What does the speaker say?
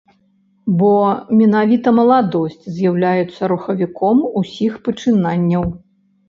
Бо менавіта маладосць з'яўляецца рухавіком усіх пачынанняў.